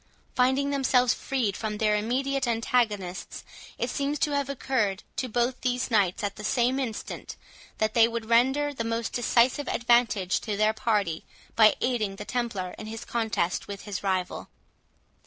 Finding themselves freed from their immediate antagonists, it seems to have occurred to both these knights at the same instant, that they would render the most decisive advantage to their party, by aiding the Templar in his contest with his rival.